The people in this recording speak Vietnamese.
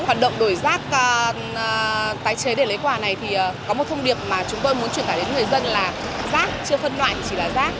hoạt động đổi rác tái chế để lấy quả này thì có một thông điệp mà chúng tôi muốn truyền tải đến người dân là rác chưa phân loại chỉ là rác